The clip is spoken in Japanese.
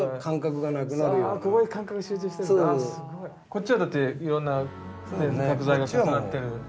こっちはだっていろんな角材が重なってる。